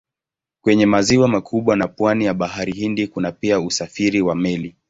Kwenye maziwa makubwa na pwani ya Bahari Hindi kuna pia usafiri wa meli.